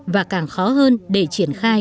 và càng khó hơn để triển khai